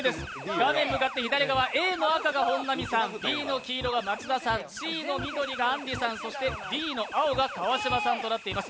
画面向かって左側、Ａの赤が本並さん、Ｂの黄色が好花さん、Ｃの緑があんりさん、そしてＤの青が川島さんとなっています。